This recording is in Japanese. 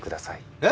えっ？